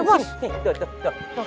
tuh tuh tuh